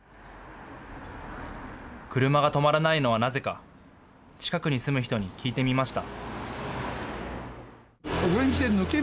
車が止まらないのはなぜか、近くに住む人に聞いてみました。